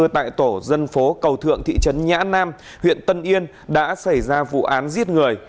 tại tổ dân phố cầu thượng thị trấn nhã nam huyện tân yên đã xảy ra vụ án giết người